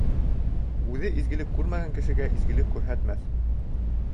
Үҙе изгелек күрмәгән кешегә изгелек күрһәтмәҫ.